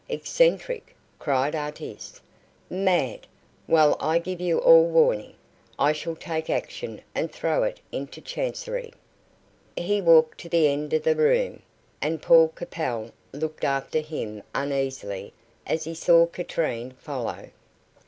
"Eccentric!" cried Artis. "Mad. Well, I give you all warning. I shall take action, and throw it into chancery." He walked to the end of the room, and Paul Capel looked after him uneasily as he saw Katrine follow.